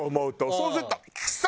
そうするとクソ！